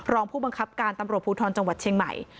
รองผู้บังคับการตำรวจภูทรจังหวัดเชียงใหม่